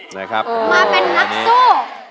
มาเป็นนักสู้